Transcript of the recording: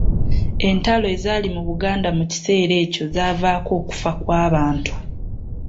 Entalo ezaali mu Buganda mu kiseera ekyo zaavaako okufa kw’abantu.